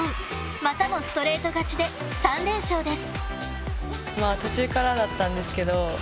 またもストレート勝ちで３連勝です。